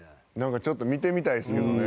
ちょっと見てみたいですけどね。